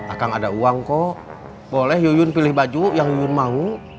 akan ada uang kok boleh yuyun pilih baju yang yuyun mau